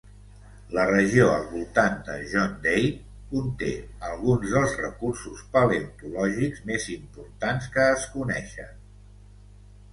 La regió al voltant de John Day conté alguns dels recursos paleontològics més importants que es coneixen.